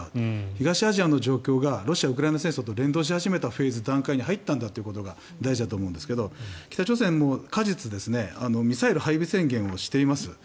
東アジアの状況がロシア・ウクライナ戦争と連動し始めたフェーズ、段階に入ったんだということが大事だと思うんですが北朝鮮は過日ミサイル配備宣言をしています。